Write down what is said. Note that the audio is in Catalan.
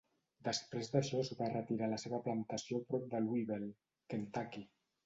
Després d'això es va retirar a la seva plantació prop de Louisville, Kentucky.